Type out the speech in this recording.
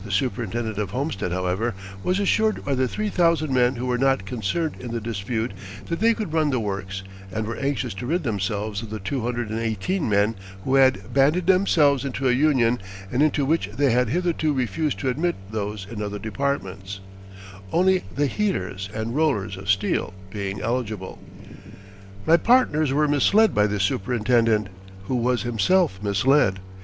The superintendent of Homestead, however, was assured by the three thousand men who were not concerned in the dispute that they could run the works, and were anxious to rid themselves of the two hundred and eighteen men who had banded themselves into a union and into which they had hitherto refused to admit those in other departments only the "heaters" and "rollers" of steel being eligible. My partners were misled by this superintendent, who was himself misled.